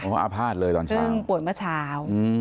ก็อาภาษณ์เลยตอนเช้า